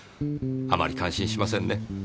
あまり感心しませんね。